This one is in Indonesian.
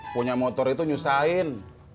punya motor itu nyusahin